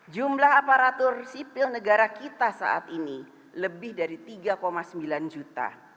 jumlah aparatur sipil negara kita saat ini lebih dari tiga sembilan juta